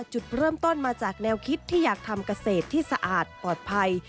จุดเริ่มต้นมาจากแนวคิดที่อยากทำเกษตรที่สะอาดปลอดภัย